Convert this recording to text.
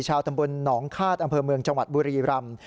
ชาวตำบลหนองคาดอำเภอเมืองจังหวัดบุรีรำ